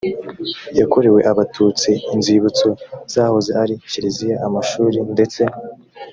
yakorewe abatutsi inzibutso zahoze ari kiliziya amashuri ndetse